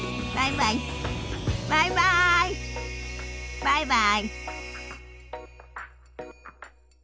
バイバイ。